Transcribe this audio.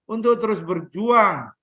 untuk terus berjuang